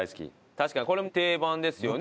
確かにこれも定番ですよね。